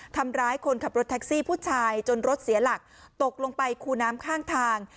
ทำร้ายคนขับรถแท็กซี่ผู้ชายจนรถเสียหลักตกลงไปคูน้ำข้างทาง